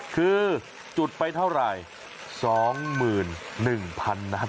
คือจุดไปเท่าไหร่สองหมื่นหนึ่งพันนัด